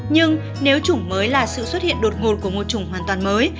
nhưng nếu chủng mới là sự xuất hiện đột ngột của một chủng hoàn toàn mới